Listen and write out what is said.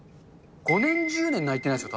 ５年１０年泣いてないですよ、